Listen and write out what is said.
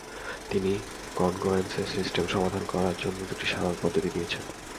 তিনি কনগ্রয়েন্স এর সিস্টেম সমাধান করার জন্য দুটি সাধারণ পদ্ধতি দিয়েছেন।